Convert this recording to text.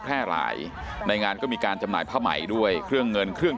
แพร่หลายในงานก็มีการจำหน่ายผ้าใหม่ด้วยเครื่องเงินเครื่อง